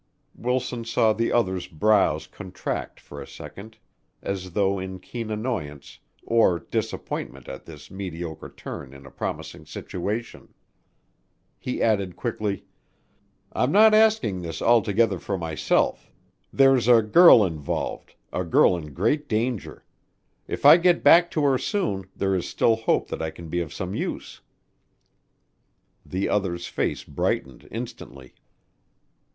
Wilson saw the other's brows contract for a second as though in keen annoyance or disappointment at this mediocre turn in a promising situation. He added quickly: "I'm not asking this altogether for myself; there's a girl involved a girl in great danger. If I get back to her soon, there is still hope that I can be of some use." The other's face brightened instantly.